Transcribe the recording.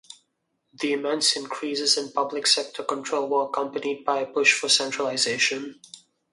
The immense increases in public sector control were accompanied by a push for centralization.